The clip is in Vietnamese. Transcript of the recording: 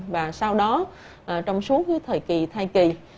và sau đó trong suốt thời kỳ thai kỳ